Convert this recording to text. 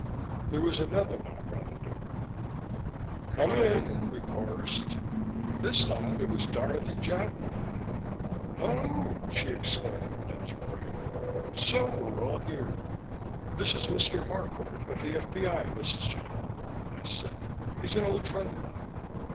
There was another knock on the door. "Come in!" we chorused. This time it was Dorothy Jacklin. "Oh!" she exclaimed, none too brightly. "So we're all here." "This is Mr. Harcourt of the F.B.I., Mrs. Jacklin," I said. "He's an old friend of mine."